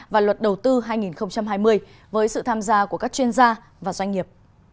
và luật đầu tư hai nghìn hai mươi với sự tham gia của các chuyên gia và doanh nghiệp